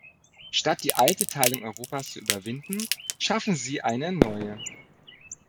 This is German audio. Statt die alte Teilung Europas zu überwinden, schaffen sie eine neue.